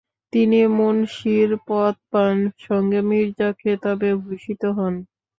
তিনি মুনশির পদ পান, সঙ্গে মির্জা খেতাবে ভূষিত হন।